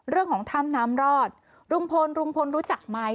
เรื่องของถ้ำน้ำรอดลุงพลลุงพลรู้จักไหม